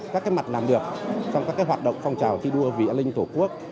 các cái mặt làm được trong các cái hoạt động phong trào thi đua vì an ninh thổ quốc